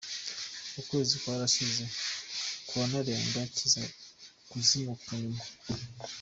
Ukwezi kwarashize kuranarenga kiza kuzimuka nyuma.